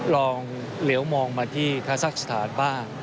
ลองเหลียวมองมาที่คาซักสถานบ้าง